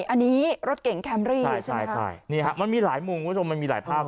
อันนี้รถเก่งแคมบรีใช่ไหมครับใช่ใช่นี่ฮะมันมีหลายมุมมันมีหลายภาพ